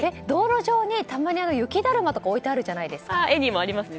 道路上に、たまに雪だるまとか置いてあるじゃないですか。